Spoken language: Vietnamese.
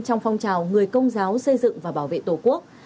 trong phong trào người công giáo xây dựng và bảo vệ tổ quốc